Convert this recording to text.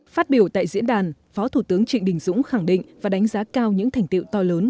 phát biểu tại diễn đàn phó thủ tướng trịnh đình dũng khẳng định và đánh giá cao những thành tiệu to lớn